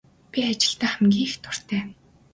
Би ажилдаа л хамгийн их дуртай.